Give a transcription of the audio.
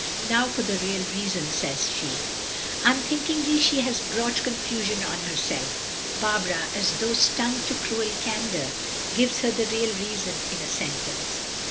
"Now for the real reason," says she. Unthinkingly she has brought confusion on herself. Barbara, as though stung to cruel candor, gives her the real reason in a sentence.